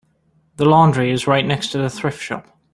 The laundry is right next to the thrift shop.